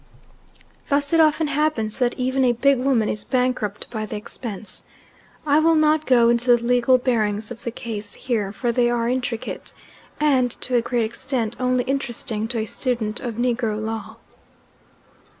Thus it often happens that even a big woman is bankrupt by the expense. I will not go into the legal bearings of the case here, for they are intricate, and, to a great extent, only interesting to a student of Negro law.